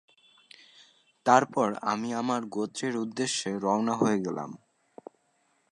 তারপর আমি আমার গোত্রের উদ্দেশ্যে রওনা হয়ে গেলাম।